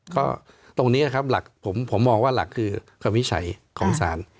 ก็ตรงนี้ผมมองว่าหลักคือความวิชัยของสาร